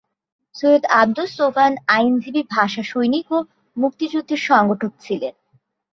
সৈয়দ আবদুস সোবহান আইনজীবী, ভাষা সৈনিক ও মুক্তিযুদ্ধের সংগঠক ছিলেন।